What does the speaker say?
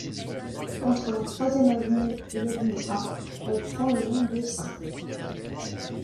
Entre la Troisième Avenue et l'Avenue A, elle prend le nom de St.